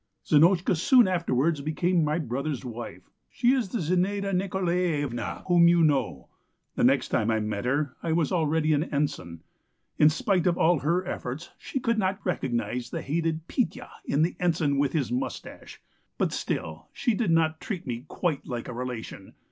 "Zinotchka soon afterwards became my brother's wife. She is the Zinaida Nikolaevna whom you know. The next time I met her I was already an ensign. In spite of all her efforts she could not recognize the hated Petya in the ensign with his moustache, but still she did not treat me quite like a relation.